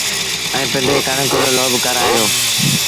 ائيٚݩ پنڊريٚ ڪڻڪ رو لوب ڪرآئي دو